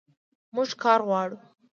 موږ کار غواړو